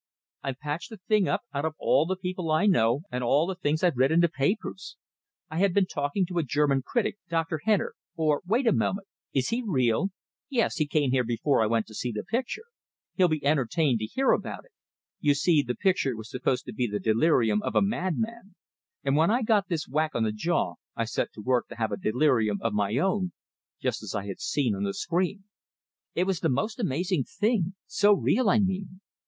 "I patched the thing up out of all the people I know, and all the things I've read in the papers! I had been talking to a German critic, Dr. Henner or wait a moment! Is he real? Yes, he came before I went to see the picture. He'll be entertained to hear about it. You see, the picture was supposed to be the delirium of a madman, and when I got this whack on the jaw, I set to work to have a delirium of my own, just as I had seen on the screen. It was the most amazing thing so real, I mean.